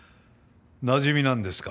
なじみなんですか？